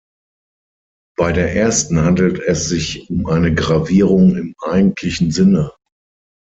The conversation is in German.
Bei der ersten handelt es sich um eine Gravierung im eigentlichen Sinne.